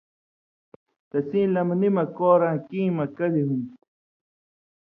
تسیں لمنی مہ (کوراں کېں مہ) کل ہُون٘دیۡ۔